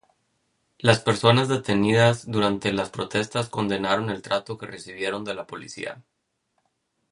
Las personas detenidas durante las protestas condenaron el trato que recibieron de la policía.